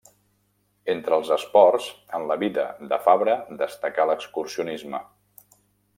Entre els esports, en la vida de Fabra destacà l'excursionisme.